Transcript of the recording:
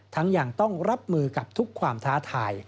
ยังต้องรับมือกับทุกความท้าทาย